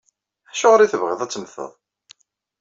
Acuɣer i tebɣiḍ ad temmteḍ?